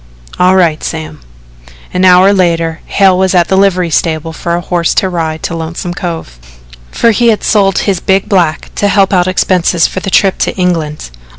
"All right, Sam." An hour later Hale was at the livery stable for a horse to ride to Lonesome Cove, for he had sold his big black to help out expenses for the trip to England.